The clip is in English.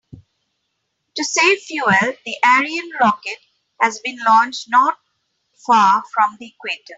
To save fuel, the Ariane rocket has been launched not far from the equator.